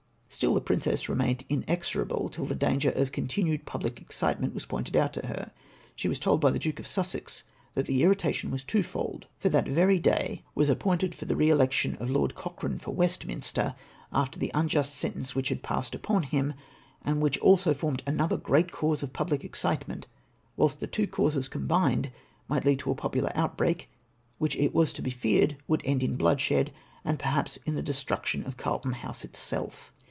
Still the princess remained inexorable, till the danger of continued public excitement was pointed out to her. She was told by tlie Duke of Sussex, that the irritation was twofold, for tltat very day ivas cqijiointed for the re election of Lord Cochrane for Westminster, cfter the unjust sentence lohich had been passed upon him, and which also formed a7iother great cause of public excite ment, whilst the two causes combined might lead to a popular outbreak, which it was to be feared would end in bloodshed, and perhaps in the destruction of Carlton House itself.